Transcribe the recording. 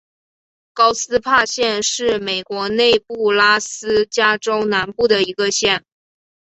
高斯帕县是美国内布拉斯加州南部的一个县。